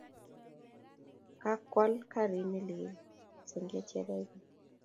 Kakwal karit ne lel senge Chebaibai.